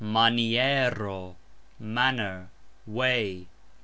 maniero : manner, way.